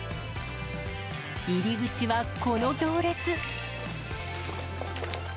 入り口はこの行列。